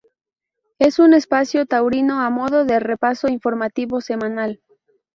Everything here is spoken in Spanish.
Es un espacio taurino a modo de repaso informativo semanal.